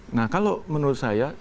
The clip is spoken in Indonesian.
nah kalau menurut saya